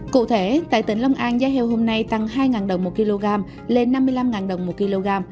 cụ thể tại tỉnh long an giá heo hôm nay tăng hai đồng một kg lên năm mươi năm đồng một kg